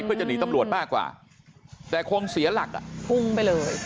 เพื่อจะหนีตำรวจมากกว่าแต่คงเสียหลักอ่ะพุ่งไปเลย